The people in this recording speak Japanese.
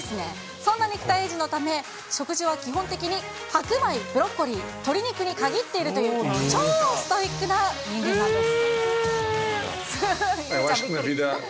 そんな肉体維持のため、食事は基本的に白米、ブロッコリー、鶏肉に限っているという超ストイックな人間なんです。